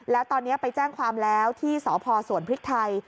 แล้วตอนนี้ไปแจ้งความแล้วที่สพสวนพริกไทย